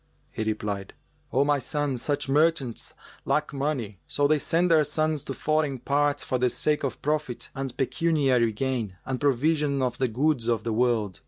He replied, "O my son, such merchants lack money; so they send their sons to foreign parts for the sake of profit and pecuniary gain and provision of the goods of the world.